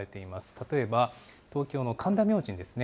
例えば、東京の神田明神ですね。